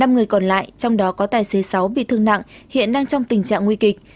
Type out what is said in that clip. năm người còn lại trong đó có tài xế sáu bị thương nặng hiện đang trong tình trạng nguy kịch